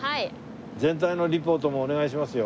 全体のリポートもお願いしますよ。